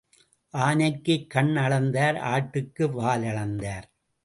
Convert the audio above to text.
ஆனைக்குக் கண் அளந்தார் ஆட்டுக்கு வால் அளந்தார்.